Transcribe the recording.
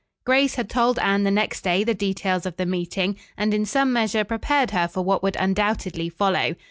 Grace had told Anne the next day the details of the meeting, and in some measure prepared her for what would undoubtedly follow.